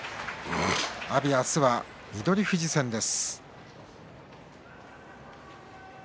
阿炎、明日は翠富士戦です。